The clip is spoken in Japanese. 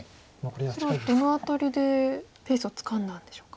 それはどのあたりでペースをつかんだんでしょうか。